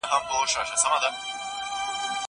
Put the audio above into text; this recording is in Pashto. کېدای سي موبایل خراب وي!؟